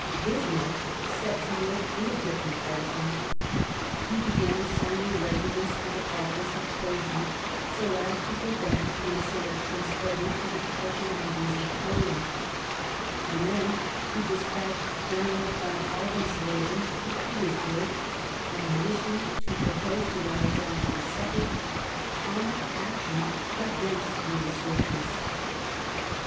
Bismarck set to work in a different fashion ; he began sending regiments to the province of Posen so as to prevent the insur rection spreading to the Prussian regions of Poland, and then he despatched General von Alvensleben to Petersburg on a mission to propose to Alexander II common action against the insurgents.